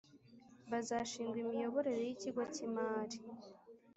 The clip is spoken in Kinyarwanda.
Bazashingwa imiyoborere y ikigo cy imari